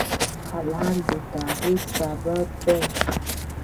قلم د تغیر سبب دی